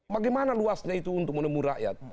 bagaimana luasnya itu untuk menemu rakyat